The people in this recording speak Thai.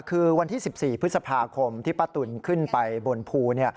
คือวันที่๑๔พฤษภาคมที่ป้าตุ๋นขึ้นไปบนภู